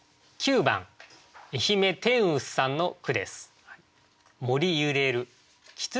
９番笑姫天臼さんの句です。